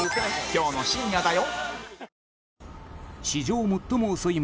今日の深夜だよ！